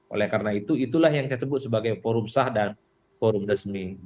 oleh karena itu itulah yang saya sebut sebagai forum sah dan forum resmi